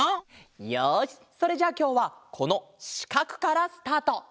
よしそれじゃあきょうはこのしかくからスタート。